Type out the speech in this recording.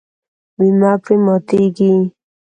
میلمه پرې ماتیږي.